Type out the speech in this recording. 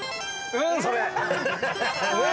何それ？